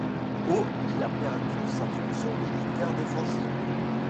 Au il a perdu sa fonction militaire défensive.